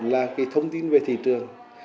là cái thông tin về thị trường